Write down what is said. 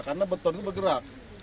karena beton itu bergerak